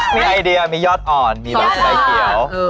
มีไอเดียมียอดอ่อนมีรสใบเขียว